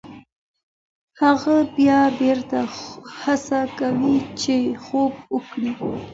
هغه بیا بېرته هڅه کوي چې خوب وکړي.